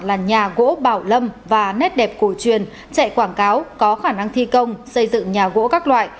là nhà gỗ bảo lâm và nét đẹp cổ truyền chạy quảng cáo có khả năng thi công xây dựng nhà gỗ các loại